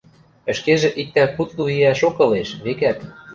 Ӹшкежӹ иктӓ кудлу иӓшок ылеш, векӓт.